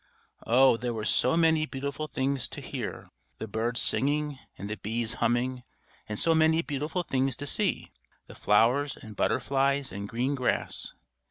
Oh! there were so many beautiful things to hear, the birds singing and the bees humming; and so many beautiful things to see, the flowers and butterflies and green grass!